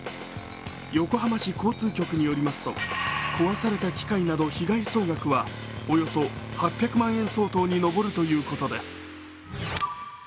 横浜市交通局によりますと壊された機械など被害総額はおよそ８００万円相当に上るということです。